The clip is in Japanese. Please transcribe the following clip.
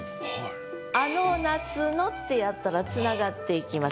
「あの夏の」ってやったら繋がっていきます。